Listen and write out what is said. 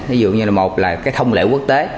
ví dụ như là một là cái thông lệ quốc tế